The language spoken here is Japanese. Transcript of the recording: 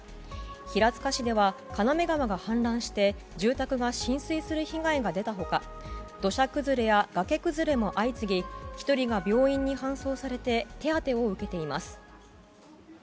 平塚市では金目川が氾濫して住宅が浸水する被害が出た他土砂崩れや崖崩れも相次ぎ１人が病院に搬送されて手当てを受けています。